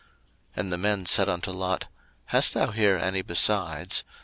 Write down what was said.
01:019:012 And the men said unto Lot, Hast thou here any besides?